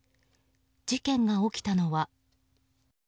事件が起きたのは。